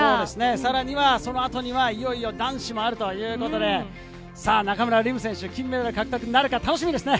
さらにはそのあとに男子もあるということで、中村輪夢選手、金メダル獲得なるか楽しみですね。